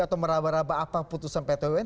atau meraba raba apa putusan pt un